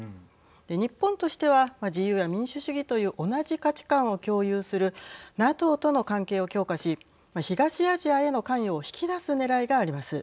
日本としては自由や民主主義という同じ価値観を共有するＮＡＴＯとの関係を強化し東アジアへの関与を引き出すねらいがあります。